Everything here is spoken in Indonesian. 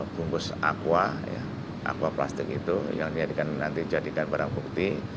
bungkus aqua aqua plastik itu yang nanti jadikan barang bukti